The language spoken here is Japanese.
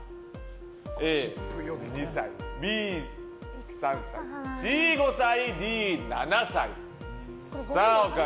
Ａ、２歳Ｂ、３歳Ｃ、５歳Ｄ、７歳。